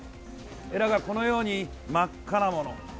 エラがこのように真っ赤なもの。